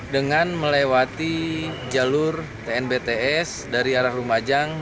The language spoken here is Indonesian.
dengan melewati jalur tnbts dari arah lumajang